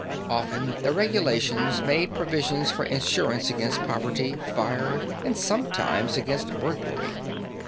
Often their regulation made provisions for insurance against poverty, fire, and sometimes against burglary.